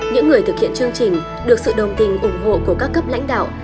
những người thực hiện chương trình được sự đồng tình ủng hộ của các cấp lãnh đạo